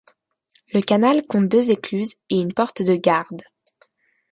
Le canal compte deux écluses et une porte de garde.